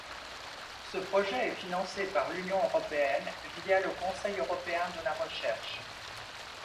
Ce projet est financé par l'Union européenne via le Conseil européen de la recherche.